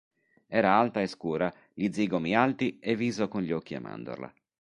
Era alta e scura, gli zigomi alti e viso con gli occhi a mandorla.